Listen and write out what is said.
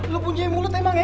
lo punya mulut emang ya